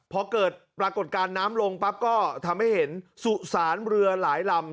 พอเกิดปรากฏการณ์น้ำลงปั๊บก็ทำให้เห็นสุสานเรือหลายลำ